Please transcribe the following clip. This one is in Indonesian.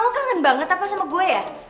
lo kangen banget apa sama gue ya